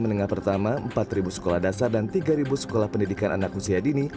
menengah pertama empat sekolah dasar dan tiga sekolah pendidikan anak usia dini